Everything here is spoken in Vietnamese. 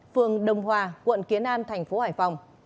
phường đồng hòa quận kiến an tp hải phòng